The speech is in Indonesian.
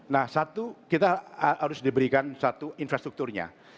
nah satu kita harus diberikan satu infrastrukturnya